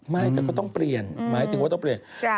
ไม่แต่ก็ต้องเปลี่ยนหมายถึงว่าต้องเปลี่ยน